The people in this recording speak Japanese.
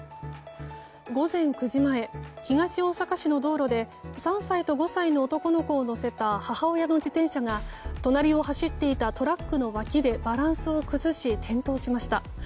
午前９時前、東大阪市の道路で３歳と５歳の男の子を乗せた母親の自転車が隣を走っていたトラックの脇でバランスを崩し転倒しました。